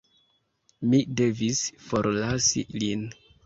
Mi devis forlasi lin.